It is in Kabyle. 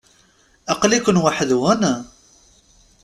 Aqli-ken weḥd-nwen?